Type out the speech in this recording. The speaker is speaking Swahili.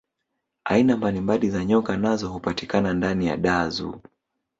aina mbalimbali za nyoka nazo hupatikana ndani ya dar zoo